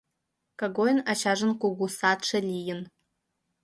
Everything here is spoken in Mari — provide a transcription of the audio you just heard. Когойын ачажын кугу садше лийын.